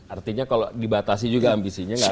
artinya kalau dibatasi juga ambisinya tidak kegiatan